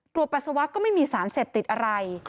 ปัสสาวะก็ไม่มีสารเสพติดอะไร